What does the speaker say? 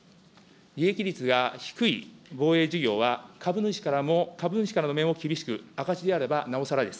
利益率が低い防衛事業は、株主からも、株主からの目も厳しく、赤字であればなおさらです。